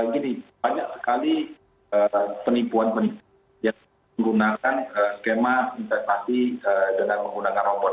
gini banyak sekali penipuan penipuan yang menggunakan skema investasi dengan menggunakan robot